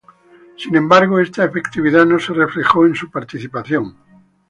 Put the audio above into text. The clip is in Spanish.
Sin embargo, esta efectividad no se reflejó en su participación.